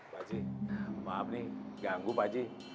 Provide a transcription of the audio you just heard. pakji maaf nih ganggu pakji